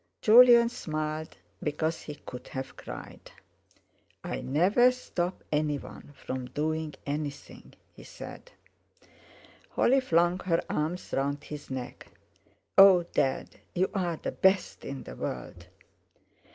Jolyon smiled because he could have cried. "I never stop anyone from doing anything," he said. Holly flung her arms round his neck. "Oh! Dad, you are the best in the world."